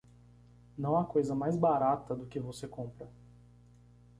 Não há coisa mais barata do que você compra.